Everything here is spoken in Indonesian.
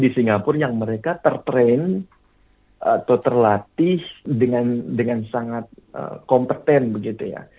di singapura yang mereka tertrain atau terlatih dengan sangat kompeten begitu ya